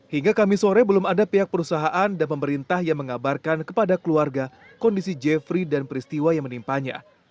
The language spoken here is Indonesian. hingga kami sore belum ada pihak perusahaan dan pemerintah yang mengabarkan kepada keluarga kondisi jeffrey dan peristiwa yang menimpanya